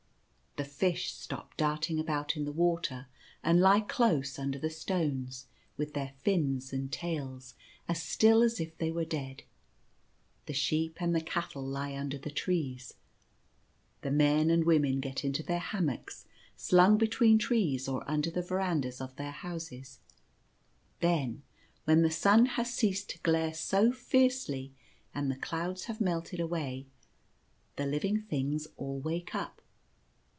The fishes stop darting about in the water, and lie close under the stones, with their fins and tails as still as if they were dead. The sheep and the cattle lie under the trees. The men and women get into hammocks slung be tween trees or under the verandahs of their houses. Then, when the sun has ceased to glare so fiercely and the clouds have melted away, the living things all wake up.